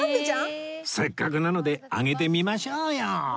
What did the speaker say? せっかくなのであげてみましょうよ！